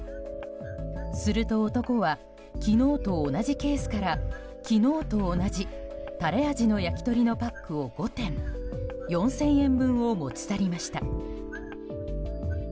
すると、男は昨日と同じケースから昨日と同じタレ味の焼き鳥のパックを５点４０００円分を持ち去りました。